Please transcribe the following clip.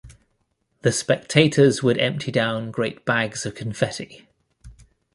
The spectators would empty down great bags of confetti.